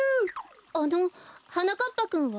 あのはなかっぱくんは？